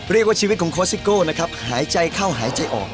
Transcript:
เรียกว่าชีวิตของคอร์ดซิโก้นะครับหายใจเข้าหายใจออก